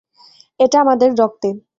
এটা আমাদের রক্তে।